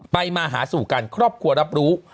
มาหาสู่กันครอบครัวรับรู้